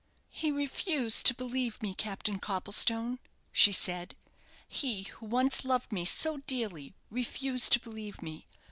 'He refused to believe me, Captain Copplestone,' she said; 'he who once loved me so dearly refused to believe me.